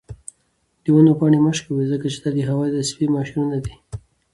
د ونو پاڼې مه شکوئ ځکه چې دا د هوا د تصفیې ماشینونه دي.